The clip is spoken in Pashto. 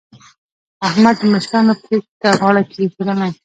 احمد د مشرانو پرېکړې ته غاړه کېښودله.